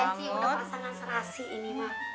udah pasangan serasi ini mah